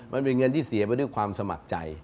มันเป็นเงินที่เสียไปด้วยความสมัครใจ